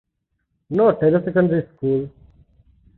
No Telesecondary School.